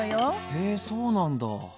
へそうなんだ。